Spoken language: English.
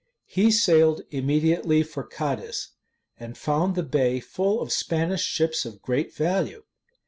He sailed immediately for Cadiz, and found the bay full of Spanish ships of great value.